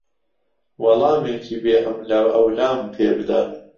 وەڵامێکی بێ ئەملاوئەولام پێ بدە.